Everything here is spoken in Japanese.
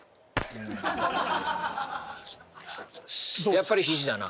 やっぱり肘だな。